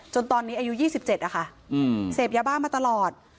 ตอนนี้อายุ๒๗นะคะเสพยาบ้ามาตลอด